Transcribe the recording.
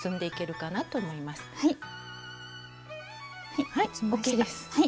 はいＯＫです。